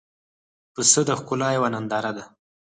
پسه د ښکلا یوه ننداره ده.